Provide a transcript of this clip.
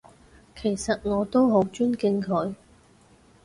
其實我都好尊敬佢